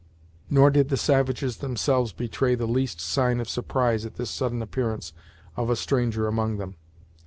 Nor did the savages themselves betray the least sign of surprise at this sudden appearance of a stranger among them.